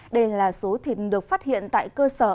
đây là số thịt được phát hiện tại cơ sở